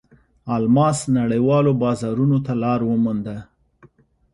الماس نړیوالو بازارونو ته لار ومونده.